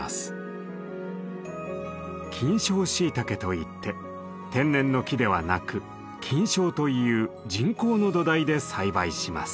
「菌床シイタケ」といって天然の木ではなく菌床という人工の土台で栽培します。